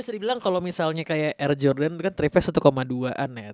bisa dibilang kalau misalnya kayak air jordan kan tripnya satu dua an ya